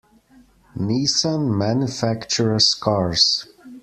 Nissan manufactures cars.